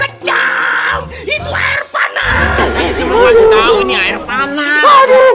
aduh aduh aduh aduh